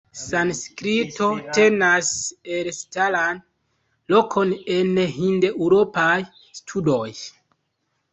Sanskrito tenas elstaran lokon en Hindeŭropaj studoj.